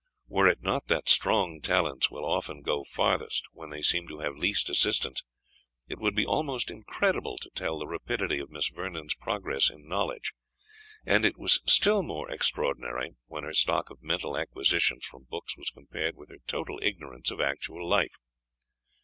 Were it not that strong talents will often go farthest when they seem to have least assistance, it would be almost incredible to tell the rapidity of Miss Vernon's progress in knowledge; and it was still more extraordinary, when her stock of mental acquisitions from books was compared with her total ignorance of actual life.